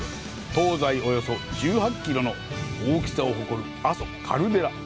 東西およそ１８キロの大きさを誇る、阿蘇カルデラ。